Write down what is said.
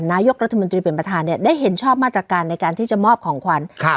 นายกรัฐมนตรีเป็นประธานเนี่ยได้เห็นชอบมาตรการในการที่จะมอบของขวัญครับ